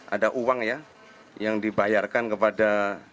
ada uang ya yang dibayarkan kepada